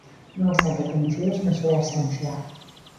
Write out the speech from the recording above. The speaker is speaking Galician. Non están recoñecidos na súa esencia.